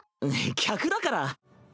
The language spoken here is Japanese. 客だから。